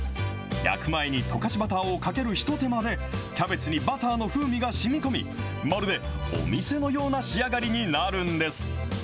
焼く前に溶かしバターをかけるひと手間で、キャベツにバターの風味がしみこみ、まるでお店のような仕上がりになるんです。